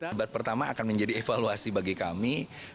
debat pertama akan menjadi evaluasi bagi kami